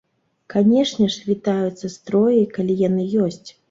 Канешне ж, вітаюцца строі, калі яны ёсць.